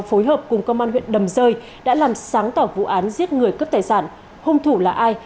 phối hợp cùng công an huyện đầm rơi đã làm sáng tỏ vụ án giết người cướp tài sản hung thủ là ai